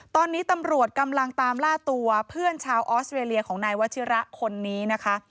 ตอนนี้ตำรวจกำลังตามล่าตัวเพื่อนชาวออสเวรียของนายวัชิระคนนี้นะคะ